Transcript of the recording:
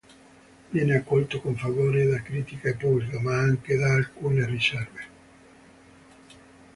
Viene accolto con favore da critica e pubblico ma anche da alcune riserve.